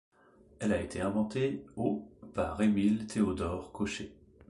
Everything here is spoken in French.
Elle a été inventée au par Emil Theodor Kocher.